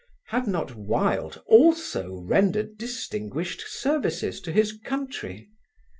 Had not Wilde also rendered distinguished services to his country?